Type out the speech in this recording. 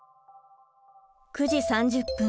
９時３０分